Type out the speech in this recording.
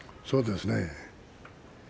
そうですね。